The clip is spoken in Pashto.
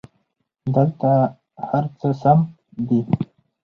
دلته هرڅه سم دي